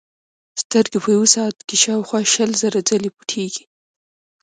سترګې په یوه ساعت کې شاوخوا شل زره ځلې پټېږي.